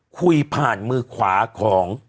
คุยผ่านมือขวาของ